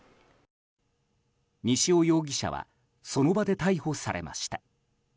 西尾容疑者はその場で逮捕されました。